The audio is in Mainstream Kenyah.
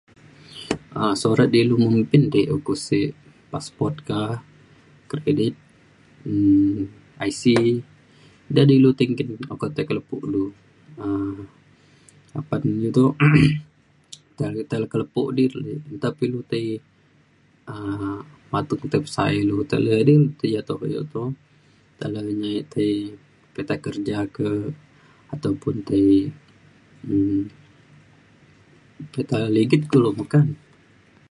um surat di ilu mimpin di uko sek passport ka kredit um IC da di ilu nggin okok tai ke lepo du um apan iu to nta le tai ke lepo di nta pa ilu tai um batek usa ilu [unintelligible] ti ja to ja to talan le tai ji tai kerja ke ataupun tai um pita ligit kulu meka na